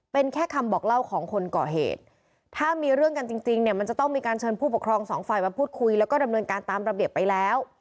เป็นแค่คำบอกเล่าของคนก่อเหตุถ้ามีเรื่องกันจริงเนี่ยมันจะต้องมีการเชิญผู้ปกครองสองฝ่ายมาพูดคุยแล้วก็ดำเนินการตามระเบียบไปแล้ว